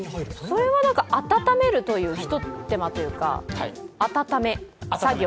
それは温めるというひと手間というか、温め作業。